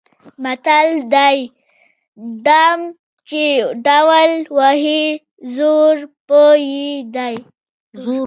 متل دی: ډم چې ډول وهي زور به یې لري.